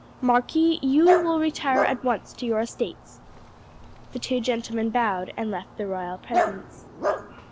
Marquis, you will retire at once to your estates." The two gentlemen bowed and left the royal presence.